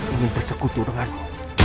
ingin bersekutu denganmu